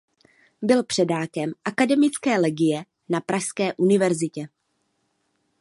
Byl předákem akademické legie na pražské univerzitě.